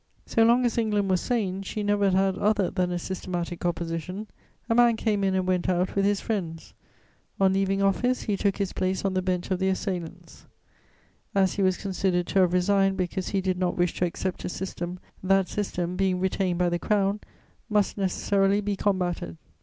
So long as England was sane, she never had other than a systematic Opposition: a man came in and went out with his friends; on leaving office, he took his place on the bench of the assailants. As he was considered to have resigned because he did not wish to accept a system, that system, being retained by the Crown, must necessarily be combated.